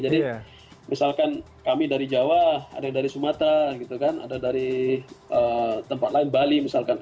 jadi misalkan kami dari jawa ada dari sumatera gitu kan ada dari tempat lain bali misalkan